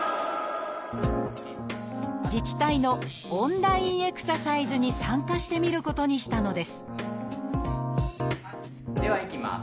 自治体のオンラインエクササイズに参加してみることにしたのですではいきます。